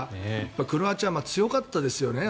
クロアチア、強かったですよね。